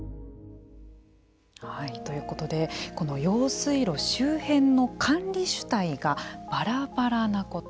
ということでこの用水路周辺の管理主体がばらばらなこと。